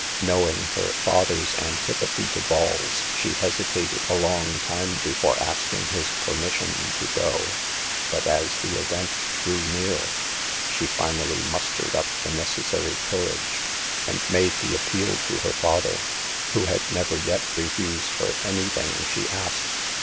Knowing *her father's antipathy to balls, she hesitated a long time before asking his permission to go ; but as the event drew near she finally mus tered up the necessary courage and made the ' appeal to her father, who had never yet refused her any thing she asked.